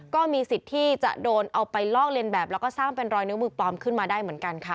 ก็มีสิทธิ์ที่จะโดนเอาไปลอกเลียนแบบแล้วก็สร้างเป็นรอยนิ้วมือปลอมขึ้นมาได้เหมือนกันค่ะ